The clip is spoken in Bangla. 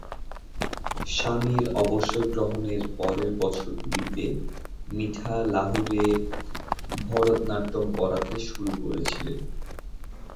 স্বামীর অবসর গ্রহণের পরের বছরগুলিতে মিঠা লাহোরে ভরতনাট্যম পড়াতে শুরু করেছিলেন।